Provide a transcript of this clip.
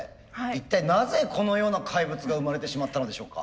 一体なぜこのような怪物が生まれてしまったのでしょうか。